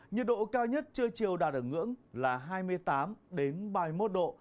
nhiệt độ cao nhất trưa chiều đạt ở ngưỡng là hai mươi tám ba mươi một độ